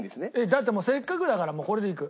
だってもうせっかくだからもうこれでいく。